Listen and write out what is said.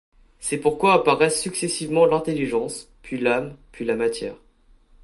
C'est pourquoi apparaissent successivement l'Intelligence, puis l'Âme, puis la matière.